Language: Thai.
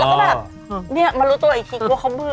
แล้วก็แบบเนี่ยมารู้ตัวอีกทีว่าเขาบื้อ